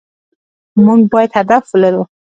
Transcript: مونږ بايد هدف ولرو